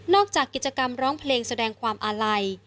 จากกิจกรรมร้องเพลงแสดงความอาลัย